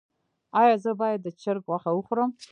ایا زه باید د چرګ غوښه وخورم؟